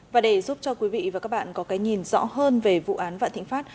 và để giúp cho quý vị và các bạn có cái nhìn rõ hơn về vụ án vạn thịnh pháp